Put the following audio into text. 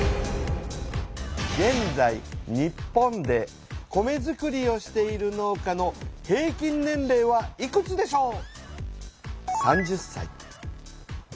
げんざい日本で米づくりをしている農家の平均年齢はいくつでしょう？